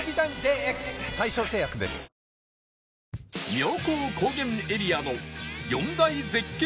妙高高原エリアの４大絶景